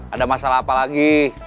ada masalah apa lagi